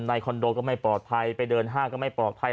คอนโดก็ไม่ปลอดภัยไปเดินห้างก็ไม่ปลอดภัย